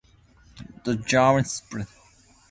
The Gemini spacecraft carried a two-astronaut crew.